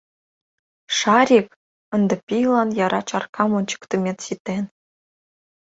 «Шарик! — ынде пийлан яра чаркам ончыктымет ситен.